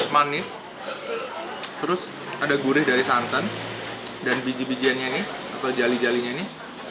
manis terus ada gurih dari santan dan biji bijiannya ini atau jali jalinya ini